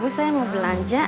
bu saya mau belanja